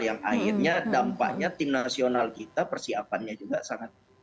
yang akhirnya dampaknya tim nasional kita persiapannya juga sangat